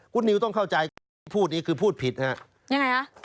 คุณนิวต้องเข้าใจพูดนี้คือพูดผิดครับยังไงครับ